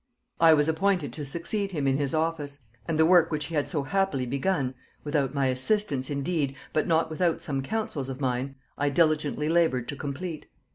"I was appointed to succeed him in his office; and the work which he had so happily begun, without my assistance indeed, but not without some counsels of mine, I diligently labored to complete.